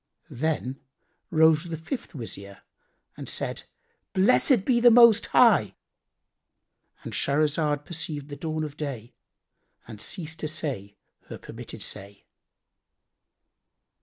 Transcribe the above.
Then rose the fifth Wazir and said, "Blessed be the Most High,"—And Shahrazad perceived the dawn of day and ceased to say her permitted say.